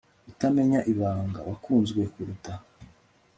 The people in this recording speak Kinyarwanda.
utamena ibanga, wakunzwe kuruta